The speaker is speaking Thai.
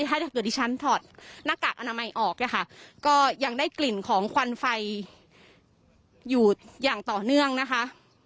ถ้าเกิดดิฉันถอดหน้ากากอนามัยออกเนี่ยค่ะก็ยังได้กลิ่นของควันไฟอยู่อย่างต่อเนื่องนะคะ